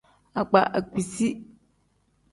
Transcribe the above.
Akpa akpiizi.